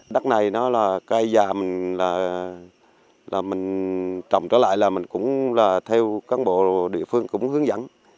đắk này là cây già mình trồng trở lại là mình cũng theo các bộ địa phương cũng hướng dẫn